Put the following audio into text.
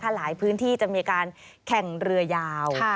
หลายพื้นที่จะมีการแข่งเรือยาว